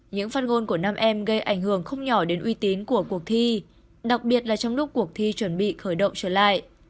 những phát ngôn của nam em gây ảnh hưởng không nhỏ đến uy tín của cuộc thi đặc biệt là trong lúc cuộc thi chuẩn bị khởi động trở lại